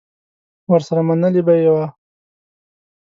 ورسره منلې به یې وه